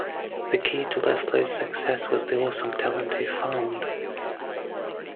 The key to Leslie's success was the awesome talent he found.